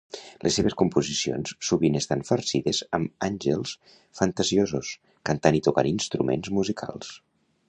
Les seves composicions sovint estan farcides amb àngels fantasiosos, cantant i tocant instruments musicals.